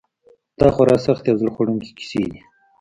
دا خورا سختې او زړه خوړونکې کیسې دي.